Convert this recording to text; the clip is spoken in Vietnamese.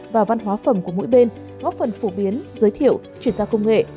và văn hóa phẩm của mỗi bên góp phần phổ biến giới thiệu chuyển giao công nghệ